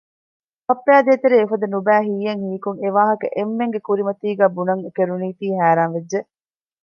ބައްޕަޔާ ދޭތެރޭ އެފަދަ ނުބައި ހީއެއް ހީކޮށް އެވާހަކަ އެންމެންގެ ކުރިމަތީގައި ބުނަން ކެރުނީތީ ހައިރާން ވެއްޖެ